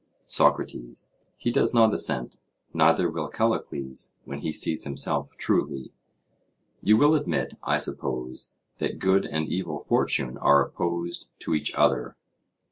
SOCRATES: He does not assent; neither will Callicles, when he sees himself truly. You will admit, I suppose, that good and evil fortune are opposed to each other?